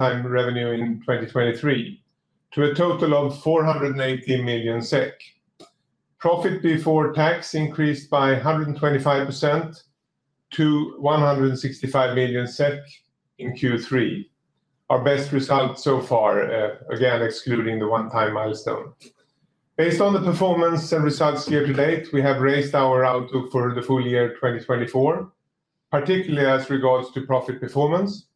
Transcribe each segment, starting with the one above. Total revenue in 2023 to a total of 480 million SEK. Profit before tax increased by 125% to 165 million SEK in Q3. Our best result so far, again, excluding the one-time milestone. Based on the performance and results year to date, we have raised our outlook for the full year 2024, particularly as regards to profit performance,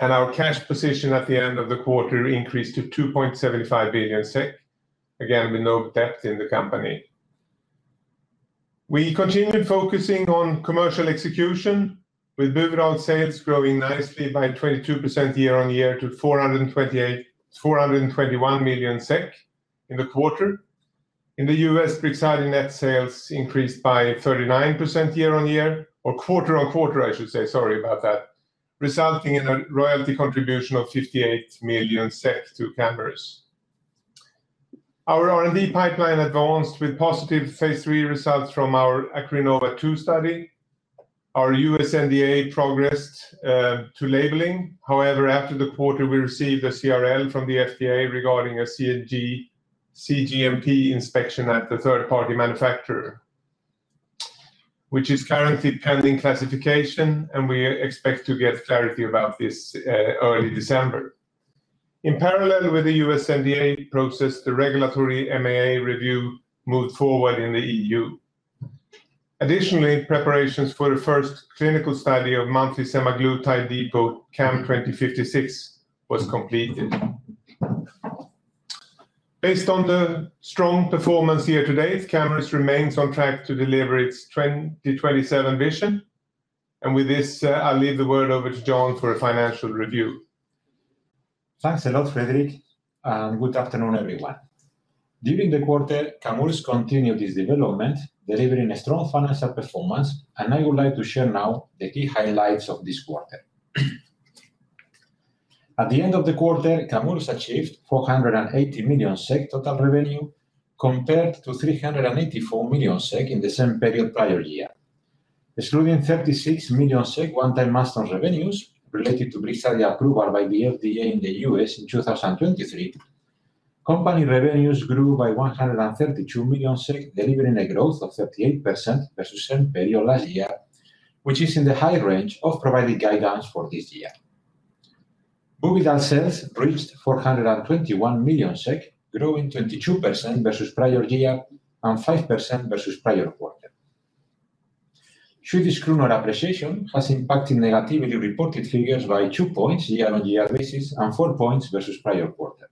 and our cash position at the end of the quarter increased to 2.75 billion SEK, again with no debt in the company. We continued focusing on commercial execution, with overall sales growing nicely by 22% year on year to 421 million SEK in the quarter. In the U.S., Brixadi net sales increased by 39% year on year, or quarter on quarter, I should say, sorry about that, resulting in a royalty contribution of 58 million SEK to Camurus. Our R&D pipeline advanced with positive phase three results from our ACRINOVA study. Our U.S. NDA progressed to labeling. However, after the quarter, we received a CRL from the FDA regarding a CGMP inspection at the third-party manufacturer, which is currently pending classification, and we expect to get clarity about this early December. In parallel with the U.S. NDA process, the regulatory MAA review moved forward in the E.U. Additionally, preparations for the first clinical study of monthly semaglutide depot CAM2056 were completed. Based on the strong performance year to date, Camurus remains on track to deliver its 2027 vision, and with this, I'll leave the word over to Jon for a financial review. Thanks a lot, Fredrik, and good afternoon, everyone. During the quarter, Camurus continued its development, delivering a strong financial performance, and I would like to share now the key highlights of this quarter. At the end of the quarter, Camurus achieved 480 million SEK total revenue, compared to 384 million SEK in the same period prior year. Excluding 36 million SEK one-time milestone revenues related to Brixadi approval by the FDA in the U.S. in 2023, company revenues grew by 132 million, delivering a growth of 38% versus the same period last year, which is in the high range of provided guidance for this year. Buvidal sales reached 421 million SEK, growing 22% versus the prior year and 5% versus the prior quarter. Swedish Kronor appreciation has impacted negatively reported figures by two points year on year basis and four points versus the prior quarter.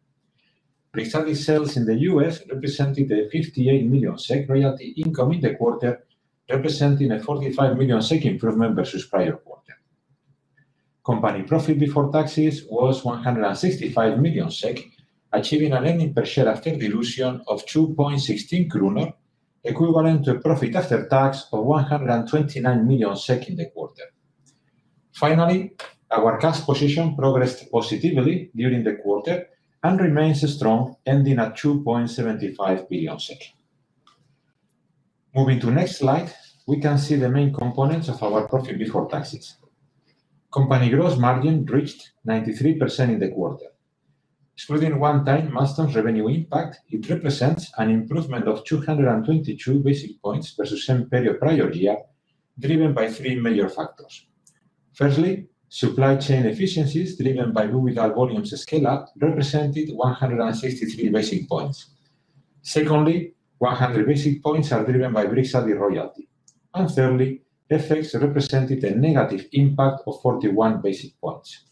Brixadi sales in the US represented a 58 million SEK royalty income in the quarter, representing a 45 million SEK improvement versus the prior quarter. Company profit before taxes was 165 million SEK, achieving an earnings per share after dilution of 2.16 Kronor, equivalent to a profit after tax of 129 million SEK in the quarter. Finally, our cash position progressed positively during the quarter and remains strong, ending at 2.75 billion SEK. Moving to the next slide, we can see the main components of our profit before taxes. Company gross margin reached 93% in the quarter. Excluding one-time milestone revenue impact, it represents an improvement of 222 basis points versus the same period prior year, driven by three major factors. Firstly, supply chain efficiencies driven by Buvidal volumes scale-up represented 163 basis points. Secondly, 100 basis points are driven by Brixadi royalty. Thirdly, FX represented a negative impact of 41 basis points.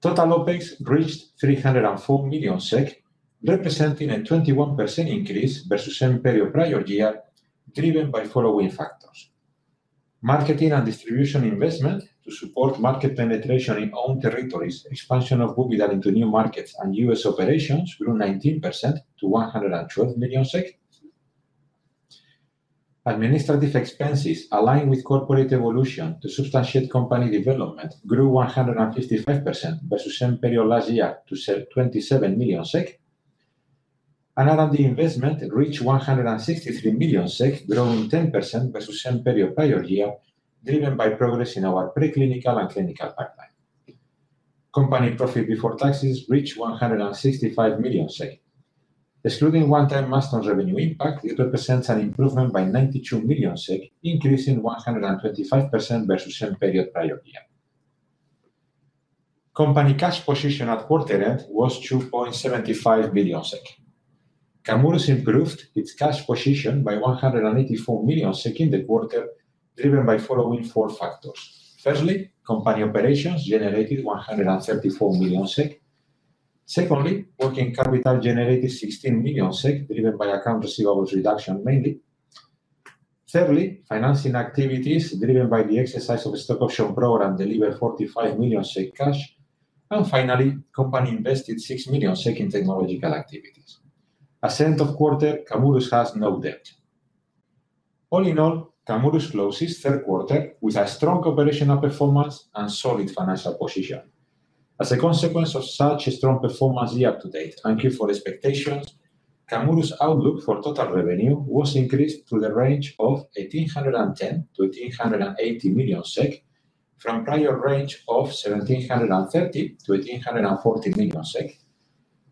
Total OPEX reached 304 million SEK, representing a 21% increase versus the same period prior year, driven by the following factors: marketing and distribution investment to support market penetration in own territories, expansion of Buvidal into new markets and U.S. operations grew 19% to 112 million. Administrative expenses aligned with corporate evolution to substantiate company development grew 155% versus the same period last year to 27 million SEK. R&D investment reached 163 million SEK, growing 10% versus the same period prior year, driven by progress in our preclinical and clinical pipeline. Operating profit before taxes reached 165 million SEK. Excluding one-time milestone revenue impact, it represents an improvement by 92 million SEK, increasing 125% versus the same period prior year. Company cash position at quarter-end was 2.75 billion SEK. Camurus improved its cash position by 184 million SEK in the quarter, driven by the following four factors. Firstly, company operations generated 134 million SEK. Secondly, working capital generated 16 million SEK, driven by account receivables reduction mainly. Thirdly, financing activities driven by the exercise of the stock option program delivered 45 million cash. And finally, company invested 6 million in technological activities. At end of quarter, Camurus has no debt. All in all, Camurus closes third quarter with a strong operational performance and solid financial position. As a consequence of such strong performance year to date, versus the expectations. Camurus outlook for total revenue was increased to the range of 1,810 million-1,880 million SEK, from a prior range of 1,730 million-1,840 million SEK,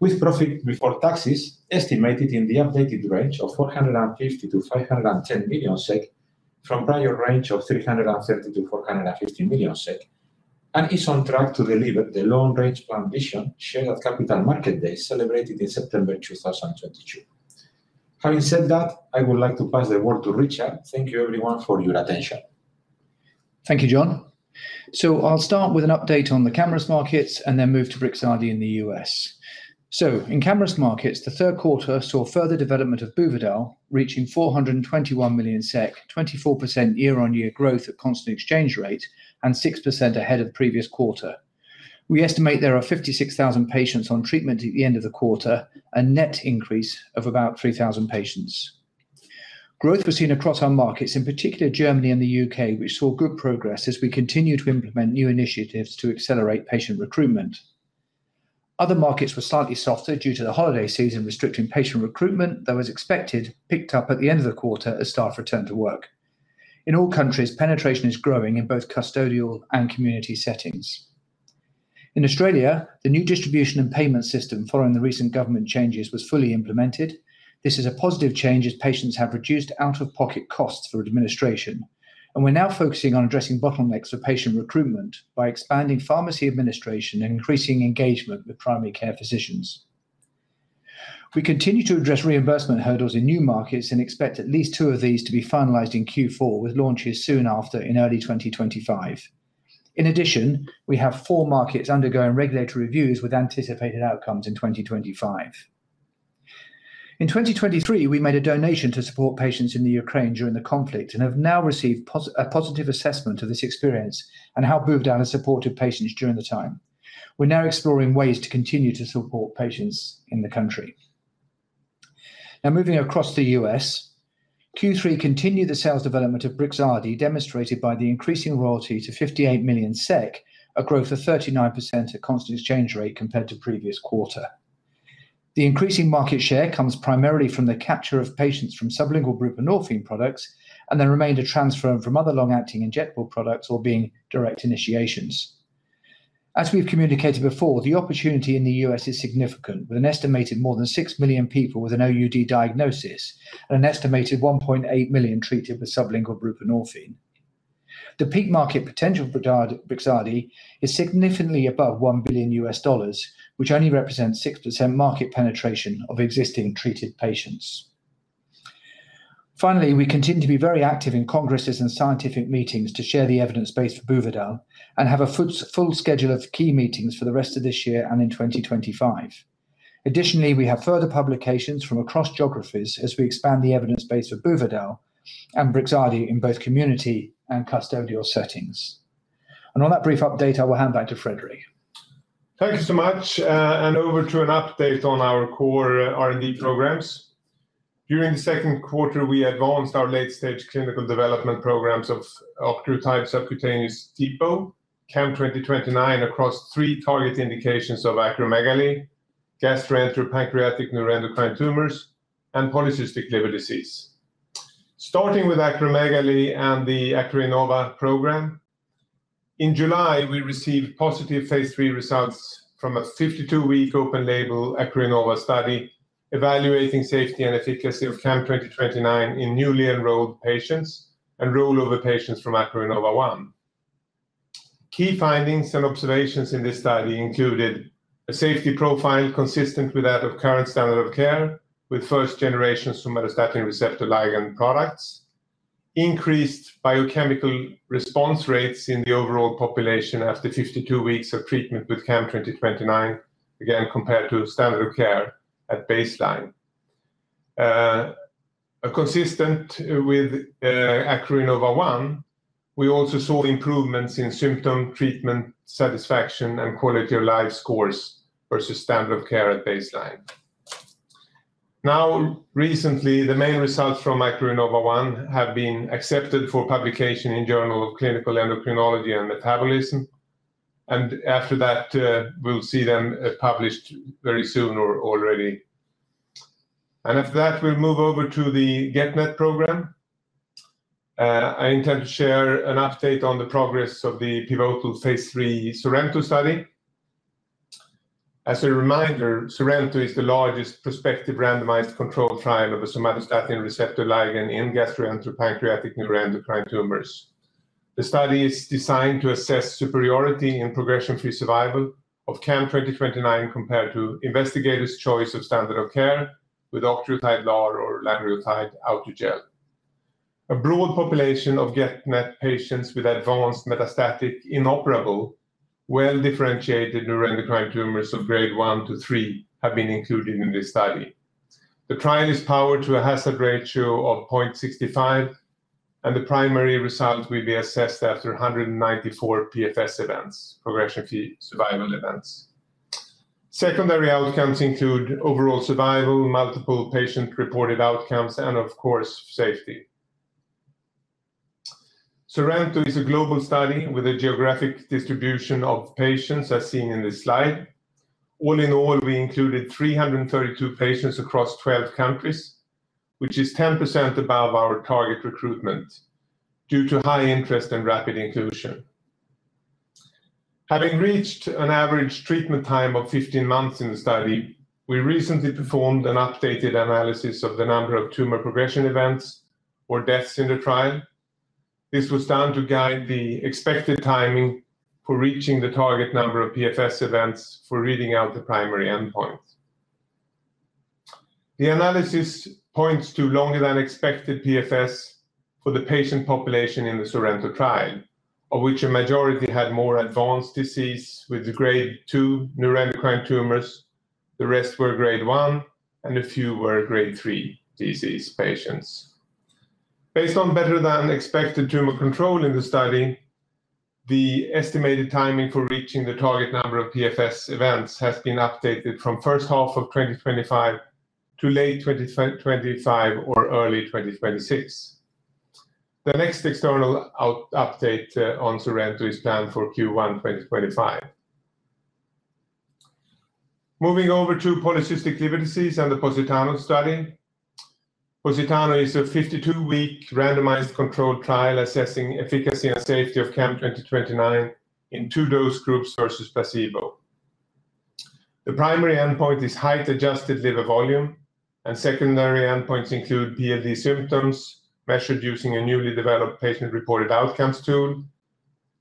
with profit before taxes estimated in the updated range of 450 million-510 million SEK, from a prior range of 330 million-450 million SEK, and is on track to deliver the long-range plan vision shared at Capital Market Day, celebrated in September 2022. Having said that, I would like to pass the word to Richard. Thank you, everyone, for your attention. Thank you, Jon. I'll start with an update on the Camurus markets and then move to Brixadi in the U.S. In Camurus markets, the third quarter saw further development of Buvidal, reaching 421 million SEK, 24% year-on-year growth at constant exchange rate, and 6% ahead of the previous quarter. We estimate there are 56,000 patients on treatment at the end of the quarter, a net increase of about 3,000 patients. Growth was seen across our markets, in particular Germany and the U.K., which saw good progress as we continue to implement new initiatives to accelerate patient recruitment. Other markets were slightly softer due to the holiday season restricting patient recruitment, though, as expected, picked up at the end of the quarter as staff returned to work. In all countries, penetration is growing in both custodial and community settings. In Australia, the new distribution and payment system following the recent government changes was fully implemented. This is a positive change as patients have reduced out-of-pocket costs for administration, and we're now focusing on addressing bottlenecks for patient recruitment by expanding pharmacy administration and increasing engagement with primary care physicians. We continue to address reimbursement hurdles in new markets and expect at least two of these to be finalized in Q4, with launches soon after in early 2025. In addition, we have four markets undergoing regulatory reviews with anticipated outcomes in 2025. In 2023, we made a donation to support patients in the Ukraine during the conflict and have now received a positive assessment of this experience and how Buvidal has supported patients during the time. We're now exploring ways to continue to support patients in the country. Now, moving across the U.S., Q3 continued the sales development of Brixadi, demonstrated by the increasing royalty to 58 million SEK, a growth of 39% at constant exchange rate compared to the previous quarter. The increasing market share comes primarily from the capture of patients from sublingual buprenorphine products and the remainder transferred from other long-acting injectable products or being direct initiations. As we've communicated before, the opportunity in the U.S. is significant, with an estimated more than six million people with an OUD diagnosis and an estimated 1.8 million treated with sublingual buprenorphine. The peak market potential for Brixadi is significantly above $1 billion, which only represents 6% market penetration of existing treated patients. Finally, we continue to be very active in congresses and scientific meetings to share the evidence base for Buvidal and have a full schedule of key meetings for the rest of this year and in 2025. Additionally, we have further publications from across geographies as we expand the evidence base for Buvidal and Brixadi in both community and custodial settings, and on that brief update, I will hand back to Fredrik. Thank you so much, and over to an update on our core R&D programs. During the second quarter, we advanced our late-stage clinical development programs of octreotide subcutaneous depot, CAM2029, across three target indications of acromegaly, gastroenteropancreatic neuroendocrine tumors, and polycystic liver disease. Starting with acromegaly and the ACRINOVA program, in July, we received positive phase 3 results from a 52-week open-label ACRINOVA study evaluating safety and efficacy of CAM2029 in newly enrolled patients and rollover patients from ACRINOVA I. Key findings and observations in this study included a safety profile consistent with that of current standard of care with first-generation somatostatin receptor ligand products, increased biochemical response rates in the overall population after 52 weeks of treatment with CAM2029, again compared to standard of care at baseline. Consistent with Acrinova I, we also saw improvements in symptom treatment satisfaction and quality of life scores versus standard of care at baseline. Now, recently, the main results from Acrinova I have been accepted for publication in the Journal of Clinical Endocrinology and Metabolism, and after that, we'll see them published very soon or already, and after that, we'll move over to the GEP-NET program. I intend to share an update on the progress of the pivotal phase three Sorrento study. As a reminder, Sorrento is the largest prospective randomized control trial of a somatostatin receptor ligand in gastroenteropancreatic neuroendocrine tumors. The study is designed to assess superiority in progression-free survival of CAM2029 compared to investigators' choice of standard of care with octreotide LAR or lanreotide Autogel. A broad population of GEP-NET patients with advanced metastatic inoperable, well-differentiated neuroendocrine tumors of grade one to three have been included in this study. The trial is powered to a hazard ratio of 0.65, and the primary results will be assessed after 194 PFS events, progression-free survival events. Secondary outcomes include overall survival, multiple patient-reported outcomes, and, of course, safety. SORRENTO is a global study with a geographic distribution of patients as seen in this slide. All in all, we included 332 patients across 12 countries, which is 10% above our target recruitment due to high interest and rapid inclusion. Having reached an average treatment time of 15 months in the study, we recently performed an updated analysis of the number of tumor progression events or deaths in the trial. This was done to guide the expected timing for reaching the target number of PFS events for reading out the primary endpoint. The analysis points to longer-than-expected PFS for the patient population in the Sorrento trial, of which a majority had more advanced disease with grade 2 neuroendocrine tumors. The rest were grade 1, and a few were grade 3 disease patients. Based on better-than-expected tumor control in the study, the estimated timing for reaching the target number of PFS events has been updated from the first half of 2025 to late 2025 or early 2026. The next external update on Sorrento is planned for Q1 2025. Moving over to polycystic liver disease and the Positano study. Positano is a 52-week randomized controlled trial assessing efficacy and safety of CAM2029 in two-dose groups versus placebo. The primary endpoint is height-adjusted liver volume, and secondary endpoints include PLD symptoms measured using a newly developed patient-reported outcomes tool,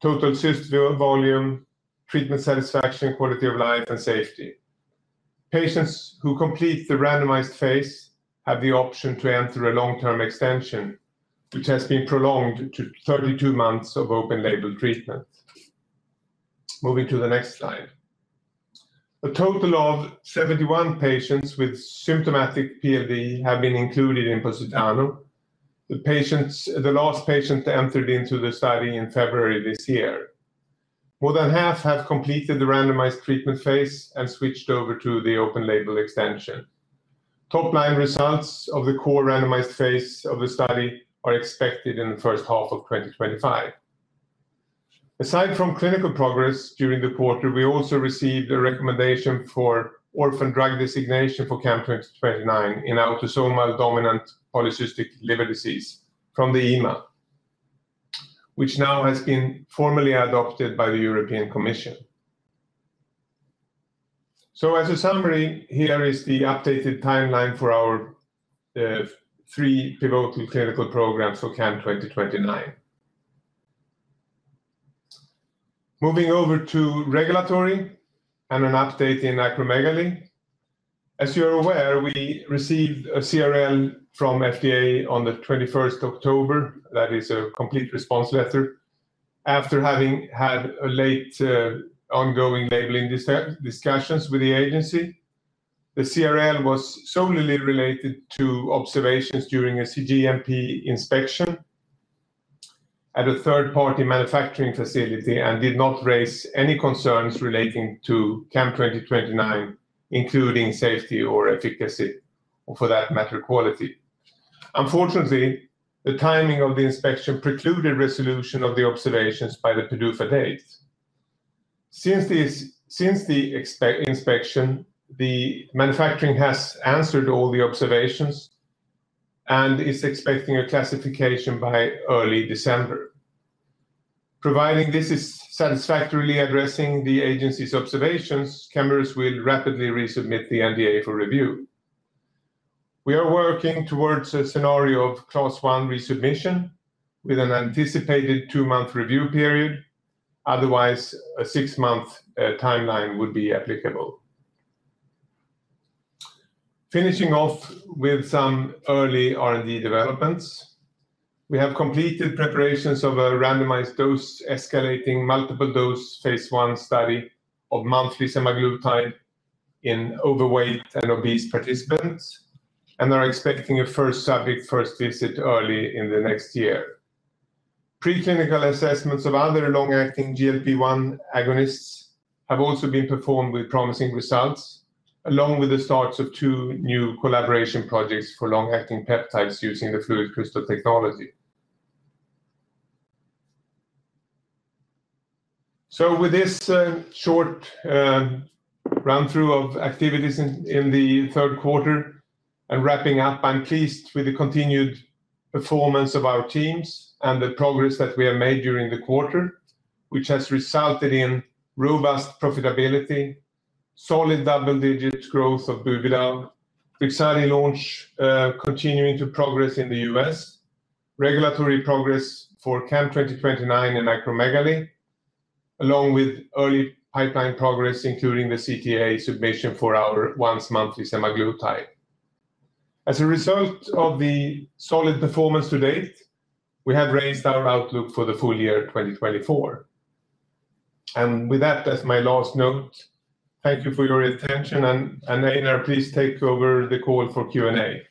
total cyst volume, treatment satisfaction, quality of life, and safety. Patients who complete the randomized phase have the option to enter a long-term extension, which has been prolonged to 32 months of open-label treatment. Moving to the next slide. A total of 71 patients with symptomatic PLD have been included in POSITANO. The last patient entered into the study in February this year. More than half have completed the randomized treatment phase and switched over to the open-label extension. Top-line results of the core randomized phase of the study are expected in the first half of 2025. Aside from clinical progress during the quarter, we also received a recommendation for orphan drug designation for CAM2029 in autosomal dominant polycystic liver disease from the EMA, which now has been formally adopted by the European Commission. So, as a summary, here is the updated timeline for our three pivotal clinical programs for CAM2029. Moving over to regulatory and an update in acromegaly. As you're aware, we received a CRL from FDA on the 21st of October. That is a complete response letter. After having had late ongoing labeling discussions with the agency, the CRL was solely related to observations during a CGMP inspection at a third-party manufacturing facility and did not raise any concerns relating to CAM2029, including safety or efficacy, or for that matter, quality. Unfortunately, the timing of the inspection precluded resolution of the observations by the PDUFA date. Since the inspection, the manufacturing has answered all the observations and is expecting a classification by early December. Providing this is satisfactorily addressing the agency's observations, Camurus will rapidly resubmit the NDA for review. We are working towards a scenario of class one resubmission with an anticipated two-month review period. Otherwise, a six-month timeline would be applicable. Finishing off with some early R&D developments, we have completed preparations of a randomized dose-escalating multiple-dose phase one study of monthly semaglutide in overweight and obese participants and are expecting a first subject first visit early in the next year. Preclinical assessments of other long-acting GLP-1 agonists have also been performed with promising results, along with the starts of two new collaboration projects for long-acting peptides using the FluidCrystal technology. With this short run-through of activities in the third quarter and wrapping up, I'm pleased with the continued performance of our teams and the progress that we have made during the quarter, which has resulted in robust profitability, solid double-digit growth of Buvidal, Brixadi launch continuing to progress in the US, regulatory progress for CAM2029 in acromegaly, along with early pipeline progress, including the CTA submission for our once-monthly semaglutide. As a result of the solid performance to date, we have raised our outlook for the full year 2024. With that, that's my last note. Thank you for your attention, and Einar, please take over the call for Q&A.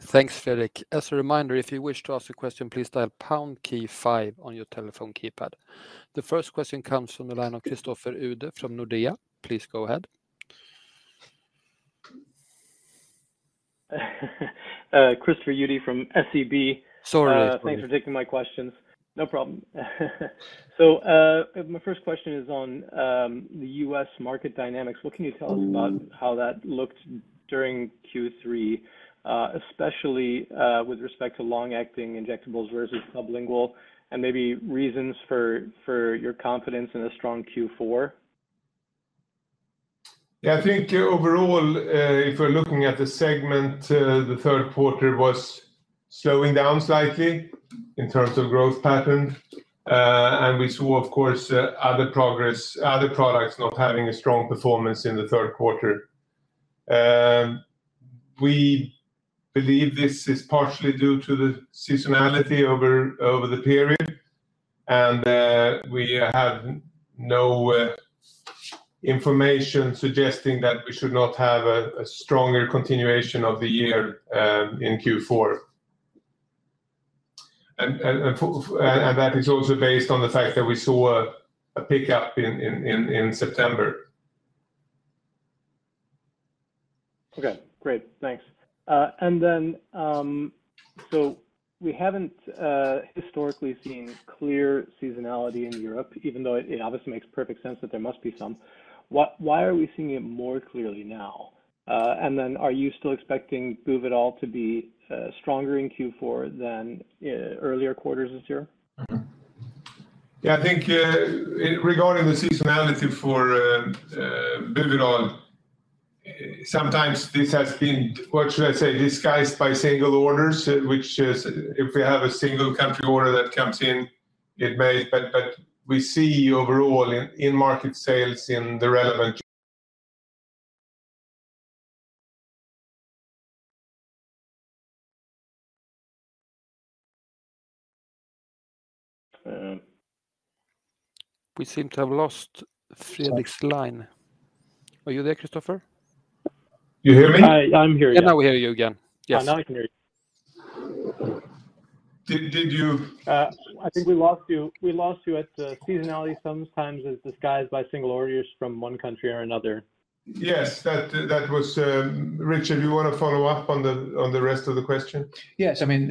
Thanks, Fredrik. As a reminder, if you wish to ask a question, please dial #5 on your telephone keypad. The first question comes from the line of Christopher Uhde from SEB. Please go ahead. Christopher Uhde from SEB. Sorry. Thanks for taking my questions. No problem. So my first question is on the U.S. market dynamics. What can you tell us about how that looked during Q3, especially with respect to long-acting injectables versus sublingual, and maybe reasons for your confidence in a strong Q4? Yeah, I think overall, if we're looking at the segment, the third quarter was slowing down slightly in terms of growth pattern. And we saw, of course, other products not having a strong performance in the third quarter. We believe this is partially due to the seasonality over the period, and we have no information suggesting that we should not have a stronger continuation of the year in Q4. And that is also based on the fact that we saw a pickup in September. Okay, great. Thanks. And then, so we haven't historically seen clear seasonality in Europe, even though it obviously makes perfect sense that there must be some. Why are we seeing it more clearly now? And then, are you still expecting Buvidal to be stronger in Q4 than earlier quarters this year? Yeah, I think regarding the seasonality for Buvidal, sometimes this has been, what should I say, disguised by single orders, which if we have a single country order that comes in, it may, but we see overall in market sales in the relevant. We seem to have lost Fredrik's line. Are you there, Christopher? You hear me? I'm hearing you. Yeah, now we hear you again. Yes. I can hear you. Did you? I think we lost you. We lost you at the seasonality sometimes is disguised by single orders from one country or another. Yes, that was Richard. Do you want to follow up on the rest of the question? Yes. I mean,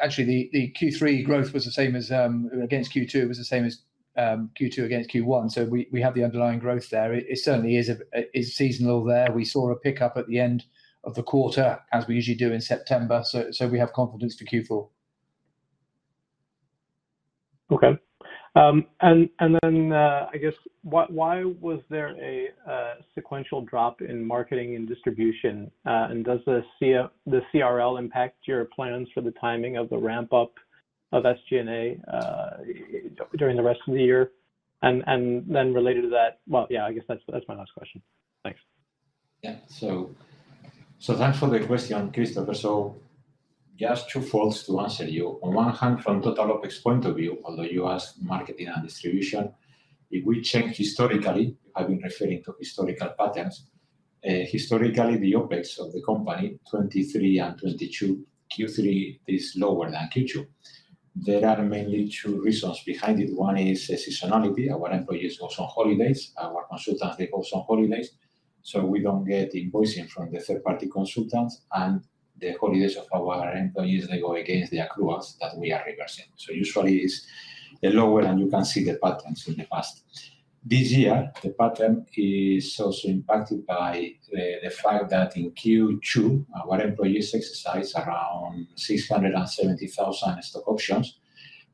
actually, the Q3 growth was the same as against Q2 was the same as Q2 against Q1. So we have the underlying growth there. It certainly is seasonal there. We saw a pickup at the end of the quarter, as we usually do in September. So we have confidence for Q4. Okay. And then, I guess, why was there a sequential drop in marketing and distribution? And does the CRL impact your plans for the timing of the ramp-up of SG&A during the rest of the year? And then related to that, well, yeah, I guess that's my last question. Thanks. Yeah. So thanks for the question, Christopher. So just two thoughts to answer you. On one hand, from Total OpEx point of view, although you asked marketing and distribution, if we change historically, I've been referring to historical patterns. Historically, the OpEx of the company, 2023 and 2022, Q3 is lower than Q2. There are mainly two reasons behind it. One is seasonality. Our employees go on holidays. Our consultants also go on holidays. So we don't get invoicing from the third-party consultants. And the holidays of our employees, they go against the accruals that we are reversing. So usually, it's lower, and you can see the patterns in the past. This year, the pattern is also impacted by the fact that in Q2, our employees exercised around 670,000 stock options,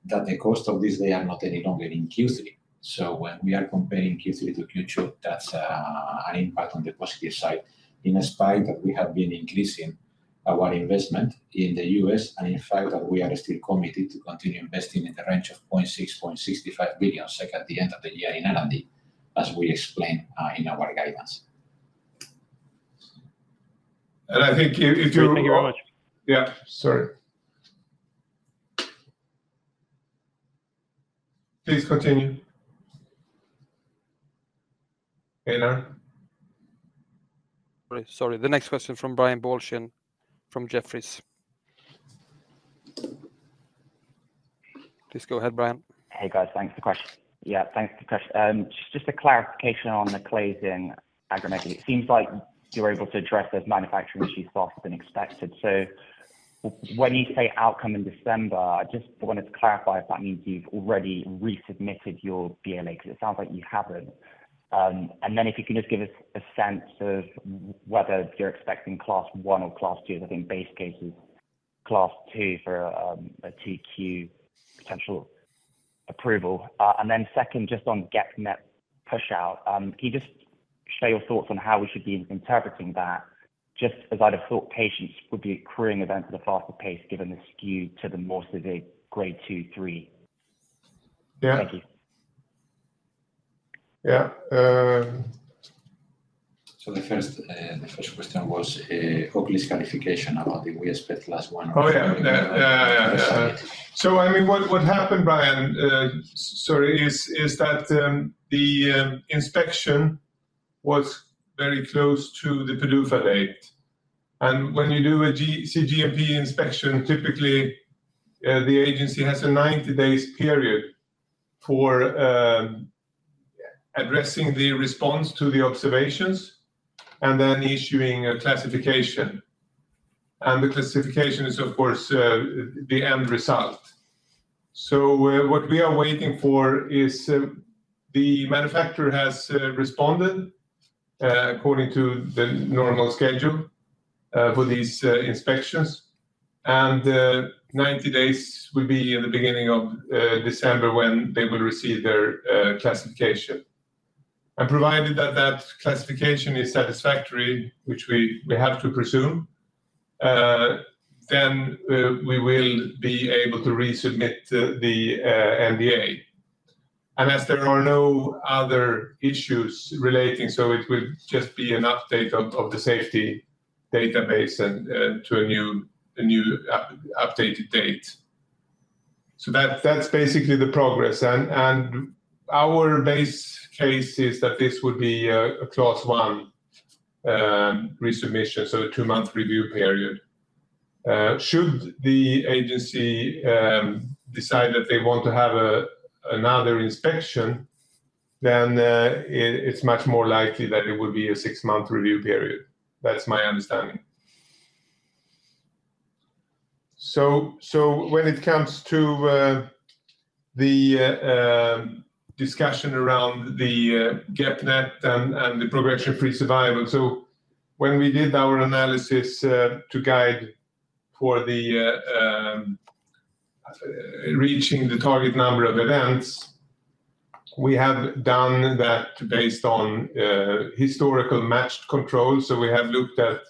that the cost of this they are not any longer in Q3. So when we are comparing Q3 to Q2, that's an impact on the positive side, in spite of we have been increasing our investment in the US, and in fact, that we are still committed to continue investing in the range of 0.6 billion-0.65 billion at the end of the year in R&D, as we explain in our guidance. I think if you're. Thank you very much. Yeah, sorry. Please continue. Einar. Sorry, the next question from Brian Balchin from Jefferies. Please go ahead, Brian. Hey, guys. Thanks for the question. Yeah, thanks for the question. Just a clarification on the closing aggregate. It seems like you were able to address those manufacturing issues faster than expected. So when you say outcome in December, I just wanted to clarify if that means you've already resubmitted your NDA, because it sounds like you haven't. And then if you can just give us a sense of whether you're expecting class one or class two, because I think base case is class two for a Q1 potential approval. And then second, just on GEP-NET push-out, can you just share your thoughts on how we should be interpreting that, just as I'd have thought patients would be accruing events at a faster pace, given the skew to the more severe grade two, three? Yeah. Thank you. Yeah. So the first question was a hopeless clarification about the we expect class one or class two. Oh, yeah. Yeah, yeah, yeah. So I mean, what happened, Brian, sorry, is that the inspection was very close to the PDUFA date. And when you do a CGMP inspection, typically, the agency has a 90-day period for addressing the response to the observations and then issuing a classification. And the classification is, of course, the end result. So what we are waiting for is the manufacturer has responded according to the normal schedule for these inspections. And 90 days will be in the beginning of December when they will receive their classification. And provided that that classification is satisfactory, which we have to presume, then we will be able to resubmit the NDA. And as there are no other issues relating, so it will just be an update of the safety database to a new updated date. So that's basically the progress. Our base case is that this would be a class one resubmission, so a two-month review period. Should the agency decide that they want to have another inspection, then it's much more likely that it will be a six-month review period. That's my understanding. When it comes to the discussion around the GEP-NET and the progression-free survival, so when we did our analysis to guide for the reaching the target number of events, we have done that based on historical matched control. We have looked at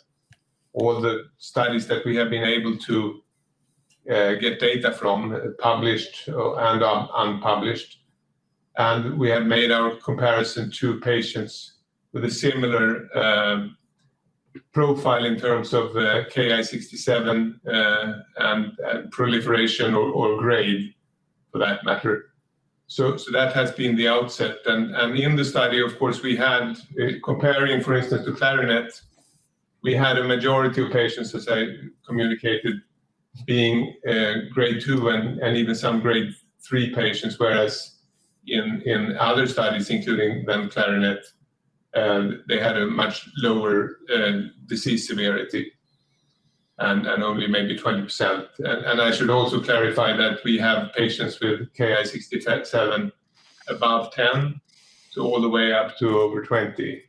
all the studies that we have been able to get data from, published and unpublished. And we have made our comparison to patients with a similar profile in terms of Ki-67 and proliferation or grade, for that matter. That has been the outset. In the study, of course, we had comparing, for instance, to CLARINET, we had a majority of patients, as I communicated, being grade two and even some grade three patients, whereas in other studies, including then CLARINET, they had a much lower disease severity and only maybe 20%. I should also clarify that we have patients with Ki-67 above 10 to all the way up to over 20,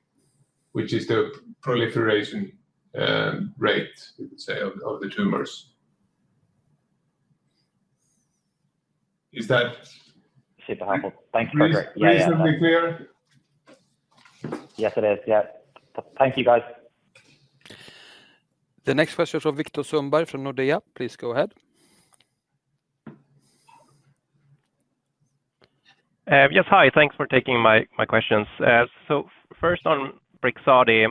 which is the proliferation rate, we would say, of the tumors. Is that? Super helpful. Thanks, Fredrik. Yeah, yeah, yeah. Is this going to be clear? Yes, it is. Yeah. Thank you, guys. The next question is from Viktor Sundberg from Nordea. Please go ahead. Yes, hi. Thanks for taking my questions. So first on Brixadi,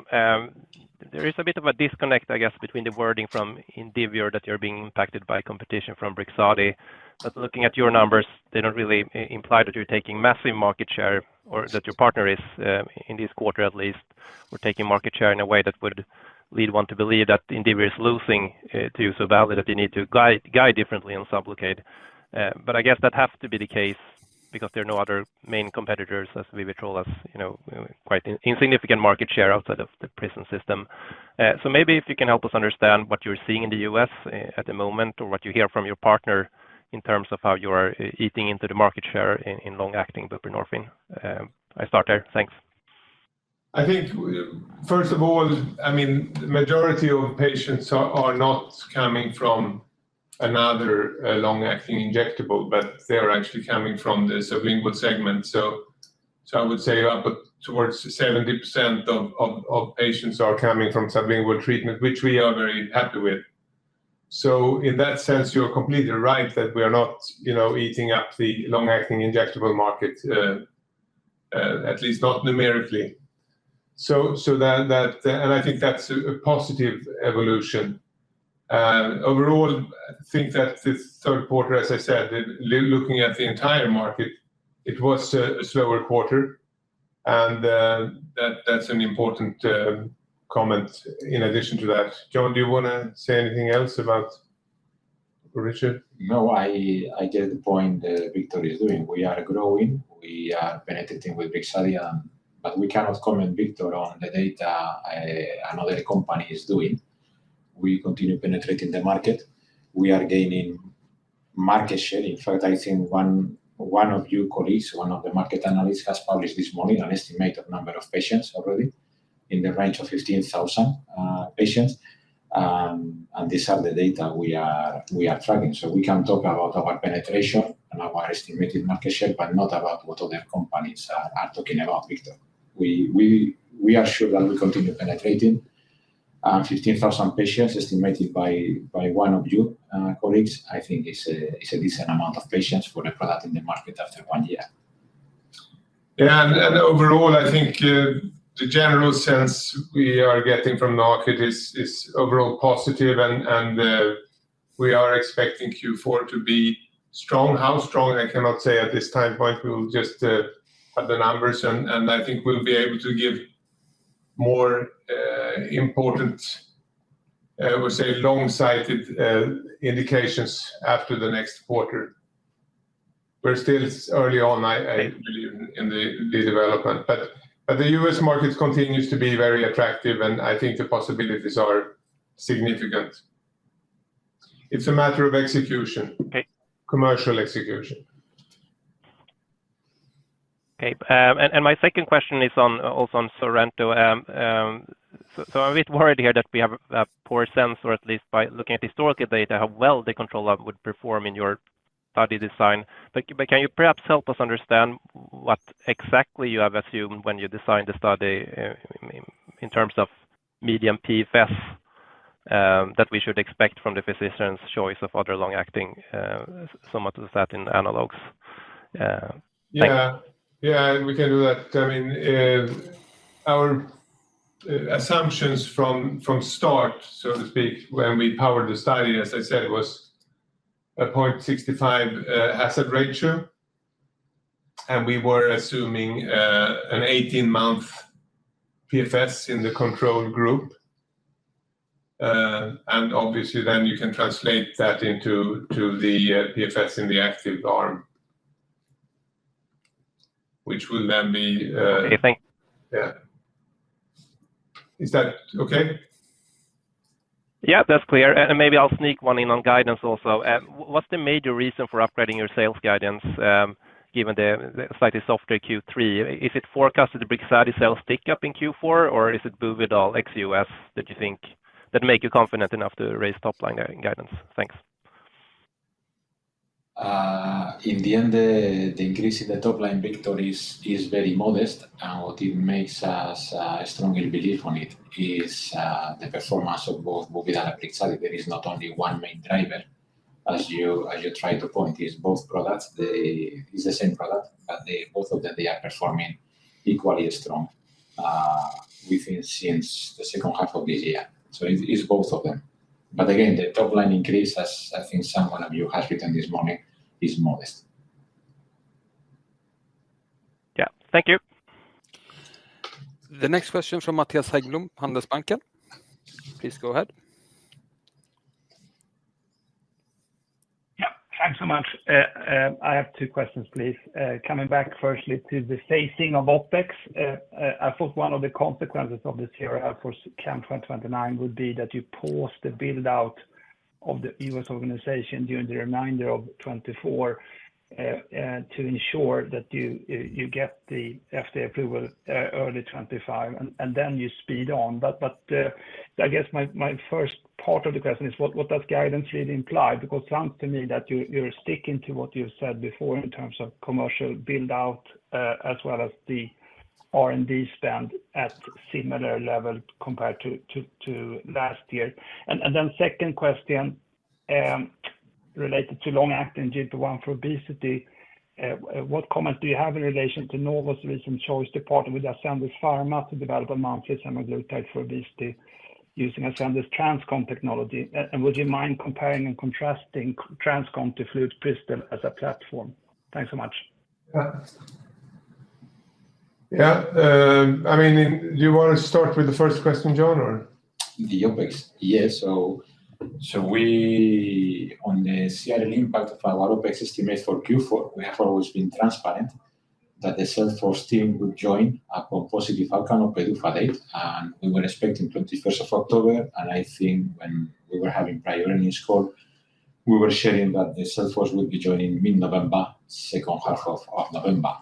there is a bit of a disconnect, I guess, between the wording from Indivior that you're being impacted by competition from Brixadi. But looking at your numbers, they don't really imply that you're taking massive market share or that your partner is, in this quarter at least, or taking market share in a way that would lead one to believe that Indivior is losing to you so badly that you need to guide differently and Sublocade. But I guess that has to be the case because there are no other main competitors, as they hold quite insignificant market share outside of the prison system. So maybe if you can help us understand what you're seeing in the U.S. at the moment or what you hear from your partner in terms of how you are eating into the market share in long-acting buprenorphine? I start there. Thanks. I think, first of all, I mean, the majority of patients are not coming from another long-acting injectable, but they are actually coming from the sublingual segment. So I would say up towards 70% of patients are coming from sublingual treatment, which we are very happy with. So in that sense, you're completely right that we are not eating up the long-acting injectable market, at least not numerically. And I think that's a positive evolution. Overall, I think that the third quarter, as I said, looking at the entire market, it was a slower quarter. And that's an important comment in addition to that. Jon, do you want to say anything else about Richard? No, I get the point Viktor is doing. We are growing. We are penetrating with Brixadi, but we cannot comment, Viktor, on the data another company is doing. We continue penetrating the market. We are gaining market share. In fact, I think one of your colleagues, one of the market analysts, has published this morning an estimated number of patients already in the range of 15,000 patients, and these are the data we are tracking, so we can talk about our penetration and our estimated market share, but not about what other companies are talking about, Viktor. We are sure that we continue penetrating. 15,000 patients, estimated by one of your colleagues, I think, is a decent amount of patients for a product in the market after one year. And overall, I think the general sense we are getting from the market is overall positive, and we are expecting Q4 to be strong. How strong, I cannot say at this time point. We will just have the numbers, and I think we'll be able to give more important, I would say, long-sighted indications after the next quarter. We're still early on, I believe, in the development. But the U.S. market continues to be very attractive, and I think the possibilities are significant. It's a matter of execution, commercial execution. Okay. And my second question is also on Sorrento. So I'm a bit worried here that we have a poor sense, or at least by looking at historical data, how well the controller would perform in your study design. But can you perhaps help us understand what exactly you have assumed when you designed the study in terms of median PFS that we should expect from the physician's choice of other long-acting somatostatin analogs? Yeah, we can do that. I mean, our assumptions from start, so to speak, when we powered the study, as I said, was a 0.65 hazard ratio. And we were assuming an 18-month PFS in the control group. And obviously, then you can translate that into the PFS in the active arm, which will then be. Okay. Thanks. Yeah. Is that okay? Yeah, that's clear. And maybe I'll sneak one in on guidance also. What's the major reason for upgrading your sales guidance, given the slightly softer Q3? Is it forecasted the Brixadi sales tick up in Q4, or is it Buvidal XUS that you think that make you confident enough to raise top-line guidance? Thanks. In the end, the increase in the top line, Viktor, is very modest. And what it makes us strongly believe on it is the performance of both Buvidal and Brixadi. There is not only one main driver, as you tried to point. It's both products. It's the same product, but both of them, they are performing equally strong since the second half of this year. So it's both of them. But again, the top-line increase, as I think someone of you has written this morning, is modest. Yeah. Thank you. The next question is from Mattias Hägglund, Handelsbanken. Please go ahead. Yeah. Thanks so much. I have two questions, please. Coming back firstly to the phasing of OpEx, I thought one of the consequences of the CRL for CAM2029 would be that you pause the build-out of the US organization during the remainder of 2024 to ensure that you get the FDA approval early 2025, and then you speed on. But I guess my first part of the question is, what does guidance really imply? Because it sounds to me that you're sticking to what you've said before in terms of commercial build-out as well as the R&D spend at similar level compared to last year. And then second question related to long-acting GLP-1 for obesity, what comments do you have in relation to Norway's recent joint development with Ascendis Pharma to develop a monthly semaglutide for obesity using Ascendis TransCon technology? Would you mind comparing and contrasting TransCon to FluidCrystal as a platform? Thanks so much. Yeah. Yeah. I mean, do you want to start with the first question, Jon, or? The OpEx? Yeah. So on the CRL impact of our OpEx estimates for Q4, we have always been transparent that the sales force team would join upon positive outcome of the PDUFA date. And we were expecting 21st of October. And I think when we were having prior earnings call, we were sharing that the sales force would be joining mid-November, second half of November.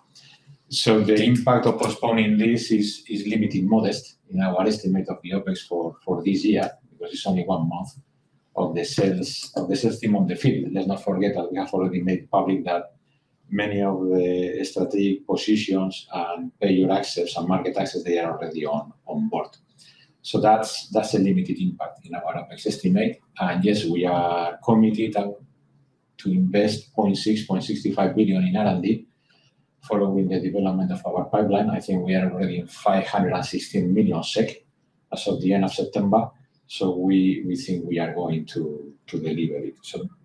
So the impact of postponing this is limited, modest in our estimate of the OpEx for this year because it's only one month of the sales team on the field. Let's not forget that we have already made public that many of the strategic positions and payer access and market access, they are already on board. So that's a limited impact in our OpEx estimate. And yes, we are committed to invest 0.6-0.65 billion in R&D following the development of our pipeline. I think we are already in 516 million SEK as of the end of September. So we think we are going to deliver it.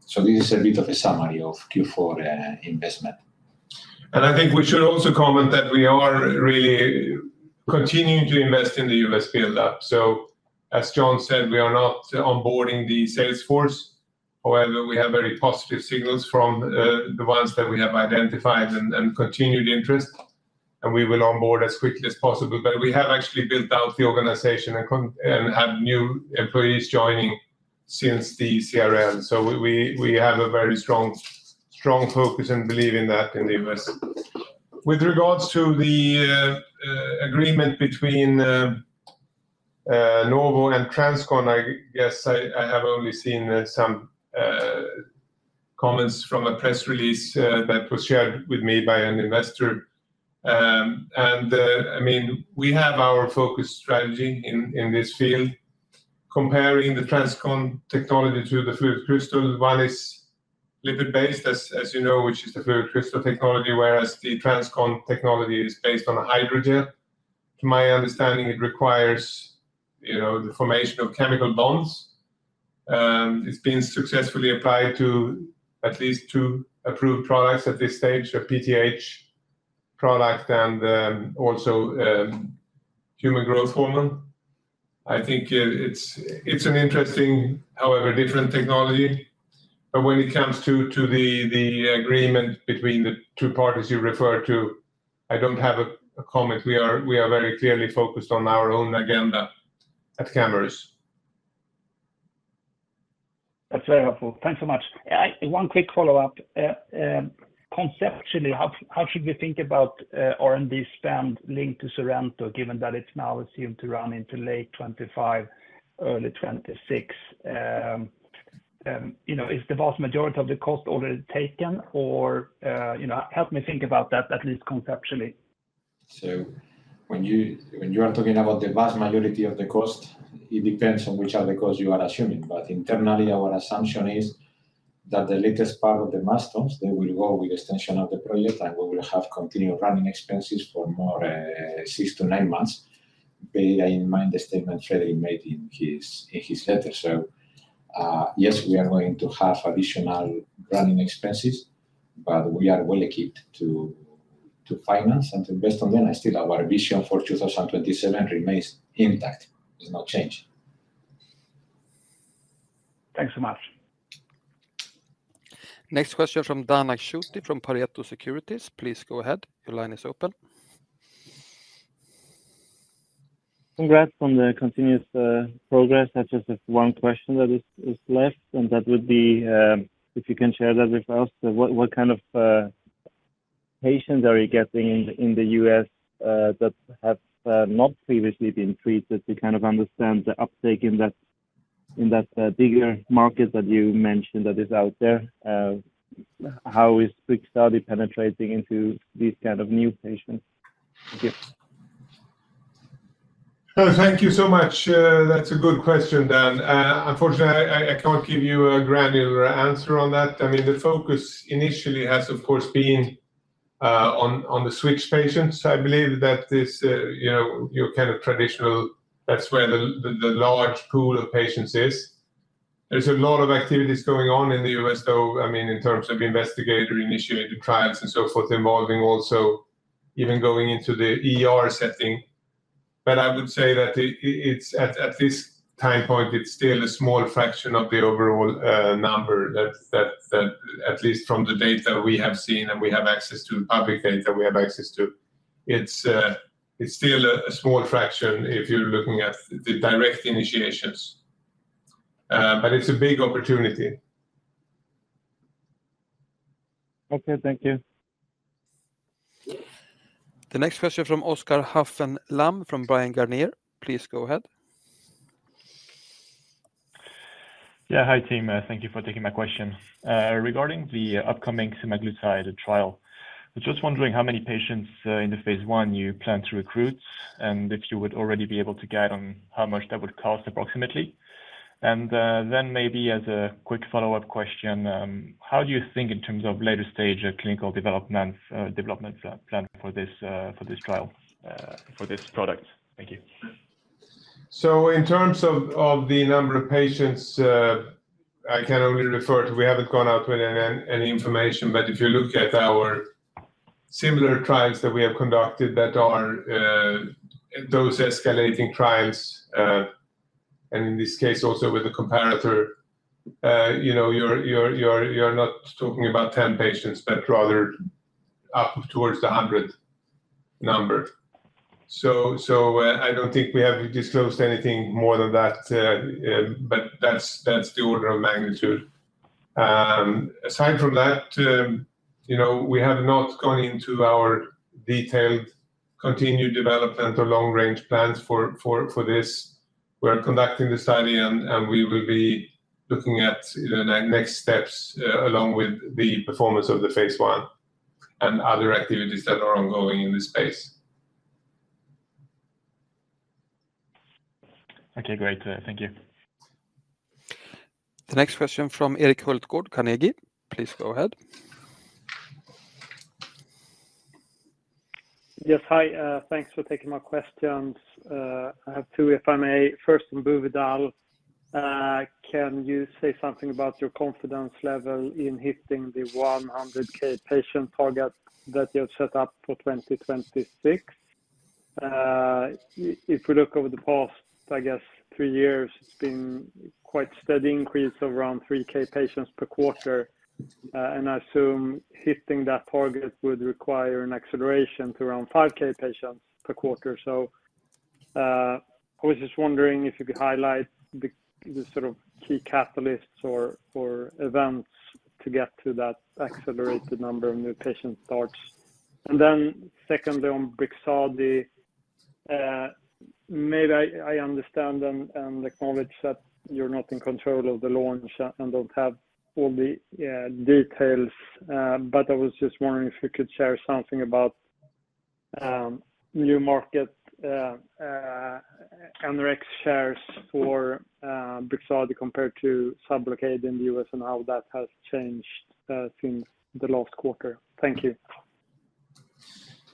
So this is a bit of a summary of Q4 investment. I think we should also comment that we are really continuing to invest in the US build-up. So as Jon said, we are not onboarding the sales force. However, we have very positive signals from the ones that we have identified and continued interest. And we will onboard as quickly as possible. But we have actually built out the organization and had new employees joining since the CRL. So we have a very strong focus and belief in that in the US. With regards to the agreement between Norway and TransCon, I guess I have only seen some comments from a press release that was shared with me by an investor. And I mean, we have our focus strategy in this field. Comparing the TransCon technology to the FluidCrystal, one is lipid-based, as you know, which is the FluidCrystal technology, whereas the TransCon technology is based on hydrogel. To my understanding, it requires the formation of chemical bonds. It's been successfully applied to at least two approved products at this stage, a PTH product and also human growth hormone. I think it's an interesting, however, different technology. But when it comes to the agreement between the two parties you referred to, I don't have a comment. We are very clearly focused on our own agenda at Camurus. That's very helpful. Thanks so much. One quick follow-up. Conceptually, how should we think about R&D spend linked to Sorrento, given that it's now assumed to run into late 2025, early 2026? Is the vast majority of the cost already taken, or help me think about that, at least conceptually? So when you are talking about the vast majority of the cost, it depends on which other costs you are assuming. But internally, our assumption is that the latest part of the milestones, they will go with extension of the project, and we will have continued running expenses for more six to nine months, bearing in mind the statement Fredrik made in his letter. So yes, we are going to have additional running expenses, but we are well equipped to finance and to invest on them. And still, our vision for 2027 remains intact. There's no change. Thanks so much. Next question from Dan Akshuti from Pareto Securities. Please go ahead. Your line is open. Congrats on the continuous progress. That's just one question that is left. And that would be, if you can share that with us, what kind of patients are you getting in the U.S. that have not previously been treated to kind of understand the uptake in that bigger market that you mentioned that is out there? How is Brixadi penetrating into these kind of new patients? Thank you. Thank you so much. That's a good question, Dan. Unfortunately, I can't give you a granular answer on that. I mean, the focus initially has, of course, been on the switch patients. I believe that this is your kind of traditional. That's where the large pool of patients is. There's a lot of activities going on in the U.S., though, I mean, in terms of investigator-initiated trials and so forth, involving also even going into the setting. But I would say that at this time point, it's still a small fraction of the overall number, at least from the data we have seen, and we have access to the public data we have access to. It's still a small fraction if you're looking at the direct initiations. But it's a big opportunity. Okay. Thank you. The next question is from Oscar Bergman from Bryan, Garnier & Co. Please go ahead. Yeah. Hi, team. Thank you for taking my question. Regarding the upcoming semaglutide trial, I'm just wondering how many patients in the phase one you plan to recruit and if you would already be able to guide on how much that would cost approximately, and then maybe as a quick follow-up question, how do you think in terms of later stage clinical development plan for this trial, for this product? Thank you. In terms of the number of patients, I can only refer to. We haven't gone out with any information. If you look at our similar trials that we have conducted, that are those escalating trials, and in this case, also with a comparator, you're not talking about 10 patients, but rather up towards the 100 number. I don't think we have disclosed anything more than that, but that's the order of magnitude. Aside from that, we have not gone into our detailed continued development or long-range plans for this. We're conducting the study, and we will be looking at next steps along with the performance of the phase 1 and other activities that are ongoing in this space. Okay. Great. Thank you. The next question is from Erik Hultgård Carnegie. Please go ahead. Yes. Hi. Thanks for taking my questions. I have two, if I may. First, from Buvidal. Can you say something about your confidence level in hitting the 100K patient target that you have set up for 2026? If we look over the past, I guess, three years, it's been quite a steady increase of around 3K patients per quarter. And I assume hitting that target would require an acceleration to around 5K patients per quarter. So I was just wondering if you could highlight the sort of key catalysts or events to get to that accelerated number of new patient starts? And then secondly, on Brixadi, maybe I understand and acknowledge that you're not in control of the launch and don't have all the details, but I was just wondering if you could share something about new market NRx shares for Brixadi compared to Sublocade in the US and how that has changed since the last quarter? Thank you.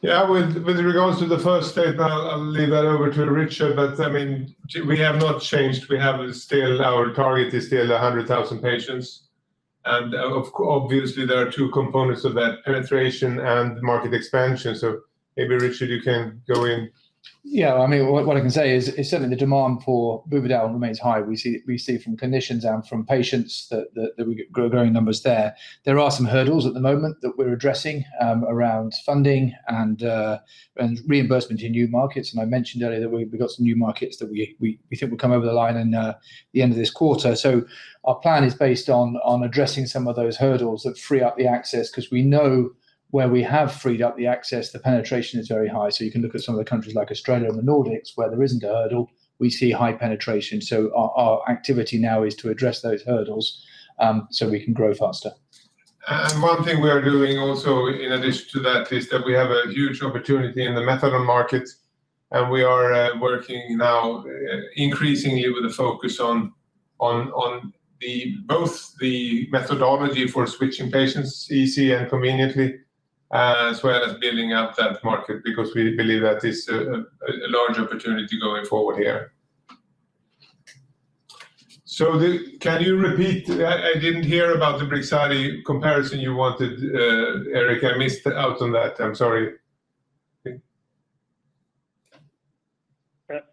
Yeah. With regards to the first statement, I'll leave that over to Richard. But I mean, we have not changed. We have still our target is still 100,000 patients. And obviously, there are two components of that: penetration and market expansion. So maybe, Richard, you can go in. Yeah. I mean, what I can say is certainly the demand for Buvidal remains high. We see from clinicians and from patients that we've got growing numbers there. There are some hurdles at the moment that we're addressing around funding and reimbursement in new markets. And I mentioned earlier that we've got some new markets that we think will come over the line in the end of this quarter. So our plan is based on addressing some of those hurdles that free up the access because we know where we have freed up the access, the penetration is very high. So you can look at some of the countries like Australia and the Nordics where there isn't a hurdle. We see high penetration. So our activity now is to address those hurdles so we can grow faster. And one thing we are doing also in addition to that is that we have a huge opportunity in the methadone market. And we are working now increasingly with a focus on both the methodology for switching patients easy and conveniently, as well as building out that market because we believe that is a large opportunity going forward here. So can you repeat? I didn't hear about the Brixadi comparison you wanted, Erik. I missed out on that. I'm sorry.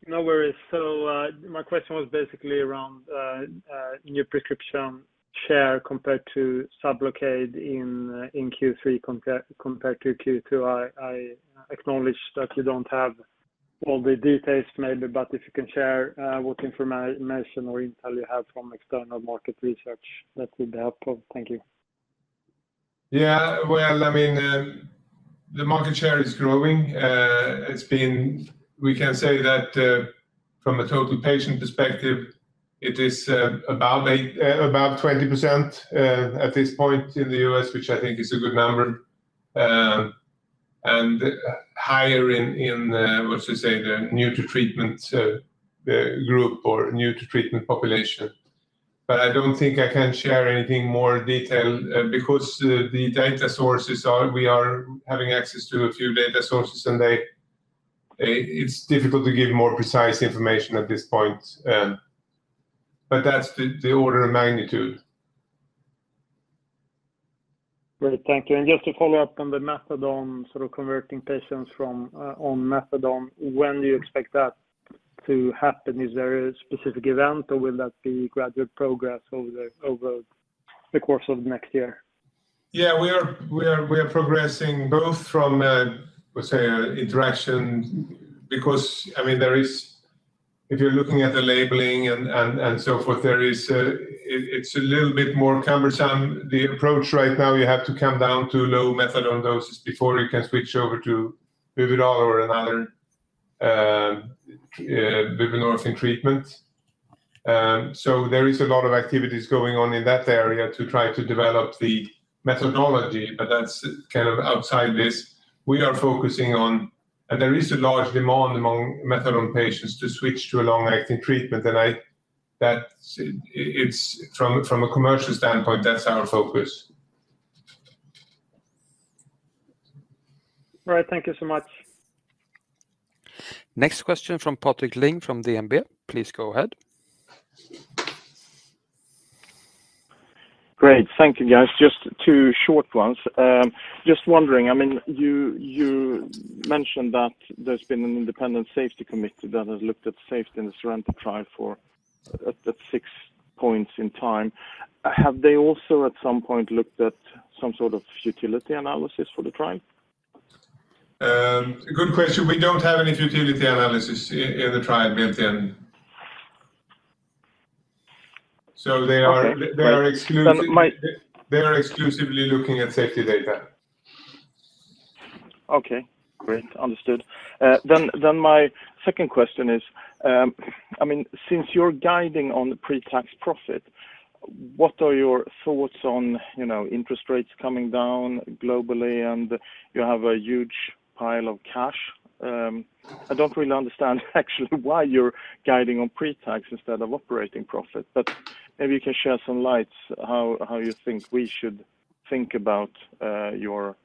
No worries. So my question was basically around new prescription share compared to Sublocade in Q3 compared to Q2. I acknowledge that you don't have all the details maybe, but if you can share what information or intel you have from external market research, that would be helpful. Thank you. Yeah. Well, I mean, the market share is growing. We can say that from a total patient perspective, it is about 20% at this point in the U.S., which I think is a good number, and higher in, what should I say, the new-to-treatment group or new-to-treatment population. But I don't think I can share anything more detailed because the data sources we are having access to a few data sources, and it's difficult to give more precise information at this point. But that's the order of magnitude. Great. Thank you. And just to follow up on the methadone, sort of converting patients from on methadone, when do you expect that to happen? Is there a specific event, or will that be gradual progress over the course of next year? Yeah. We are progressing both from, I would say, interaction because, I mean, if you're looking at the labeling and so forth, it's a little bit more cumbersome. The approach right now, you have to come down to low methadone doses before you can switch over to Buvidal or another buprenorphine treatment. So there is a lot of activities going on in that area to try to develop the methodology, but that's kind of outside this. We are focusing on, and there is a large demand among methadone patients to switch to a long-acting treatment. And from a commercial standpoint, that's our focus. All right. Thank you so much. Next question from Patrick Ling from DNB. Please go ahead. Great. Thank you, guys. Just two short ones. Just wondering, I mean, you mentioned that there's been an independent safety committee that has looked at safety in the SORRENTO trial at six points in time. Have they also at some point looked at some sort of futility analysis for the trial? Good question. We don't have any futility analysis in the trial built in. So they are exclusively looking at safety data. Okay. Great. Understood. Then my second question is, I mean, since you're guiding on pre-tax profit, what are your thoughts on interest rates coming down globally and you have a huge pile of cash? I don't really understand actually why you're guiding on pre-tax instead of operating profit, but maybe you can shed some light how you think we should think about your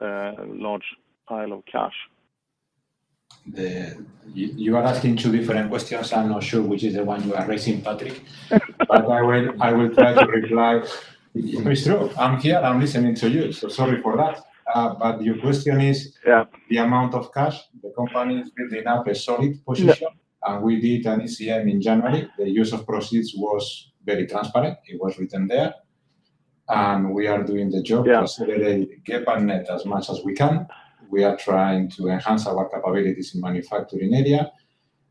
large pile of cash. You are asking two different questions. I'm not sure which is the one you are raising, Patrick, but I will try to reply. It's true. I'm here. I'm listening to you, so sorry for that. But your question is the amount of cash. The company is building up a solid position, and we did an ECM in January. The use of proceeds was very transparent. It was written there. And we are doing the job to accelerate GEP and NET as much as we can. We are trying to enhance our capabilities in the manufacturing area,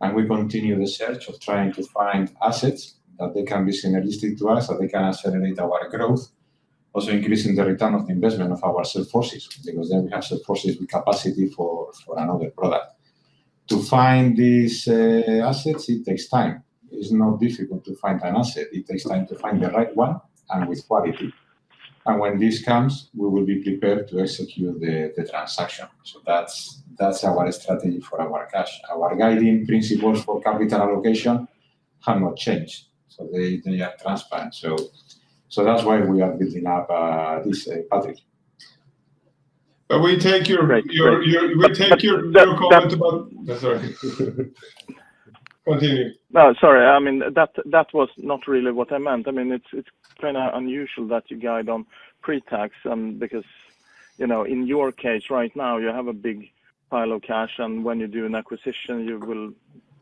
and we continue the search of trying to find assets that they can be synergistic to us, that they can accelerate our growth, also increasing the return of the investment of our sales forces because then we have sales forces with capacity for another product. To find these assets, it takes time. It's not difficult to find an asset. It takes time to find the right one and with quality, and when this comes, we will be prepared to execute the transaction, so that's our strategy for our cash. Our guiding principles for capital allocation have not changed, so they are transparent, so that's why we are building up this, Patrick. but we take your comment about. Sorry. Continue. No, sorry. I mean, that was not really what I meant. I mean, it's kind of unusual that you guide on pre-tax because in your case right now, you have a big pile of cash, and when you do an acquisition, you will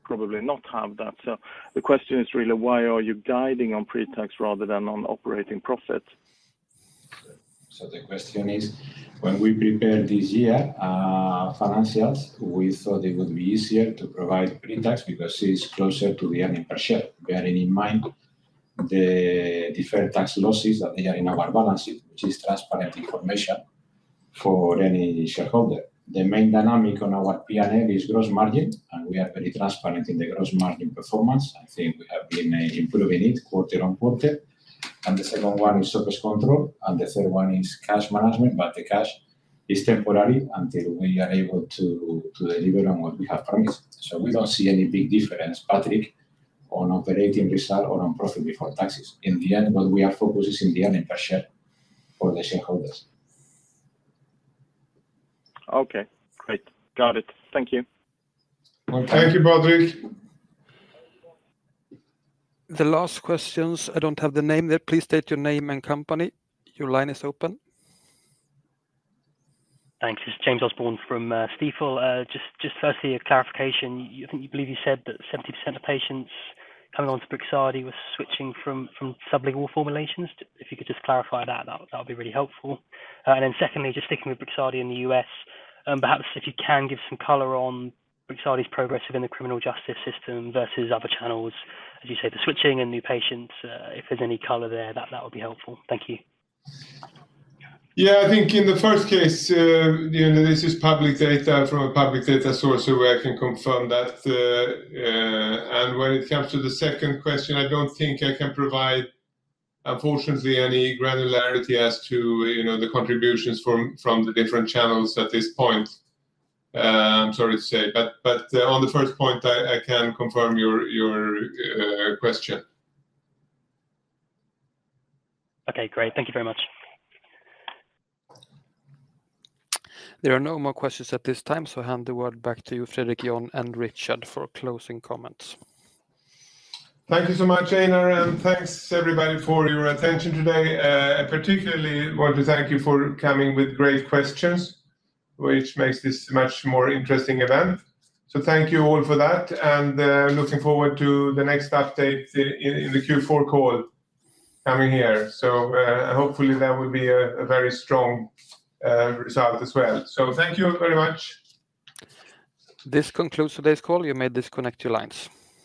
probably not have that. So the question is really, why are you guiding on pre-tax rather than on operating profit? The question is, when we prepared this year's financials, we thought it would be easier to provide pre-tax because it's closer to the earnings per share, bearing in mind the different tax losses that there are in our balance sheet, which is transparent information for any shareholder. The main dynamic on our P&L is gross margin, and we are very transparent in the gross margin performance. I think we have been improving it quarter on quarter. The second one is surplus control, and the third one is cash management, but the cash is temporary until we are able to deliver on what we have promised. We don't see any big difference, Patrick, on operating result or on profit before taxes. In the end, what we are focused on is the earnings per share for the shareholders. Okay. Great. Got it. Thank you. Thank you, Patrick. The last questions. I don't have the name there. Please state your name and company. Your line is open. Thanks. This is James Osborne from Stifel. Just firstly, a clarification. I believe you said that 70% of patients coming onto Brixadi were switching from sublingual formulations. If you could just clarify that, that would be really helpful. And then secondly, just sticking with Brixadi in the U.S., perhaps if you can give some color on Brixadi's progress within the criminal justice system versus other channels, as you say, the switching and new patients, if there's any color there, that would be helpful. Thank you. Yeah. I think in the first case, this is public data from a public data source where I can confirm that. And when it comes to the second question, I don't think I can provide, unfortunately, any granularity as to the contributions from the different channels at this point. I'm sorry to say. But on the first point, I can confirm your question. Okay. Great. Thank you very much. There are no more questions at this time, so I hand the word back to you, Fredrik, Jon, and Richard for closing comments. Thank you so much, Einar, and thanks, everybody, for your attention today. I particularly want to thank you for coming with great questions, which makes this a much more interesting event. So thank you all for that, and looking forward to the next update in the Q4 call coming here. So hopefully, that will be a very strong result as well. So thank you very much. This concludes today's call. You may disconnect your lines.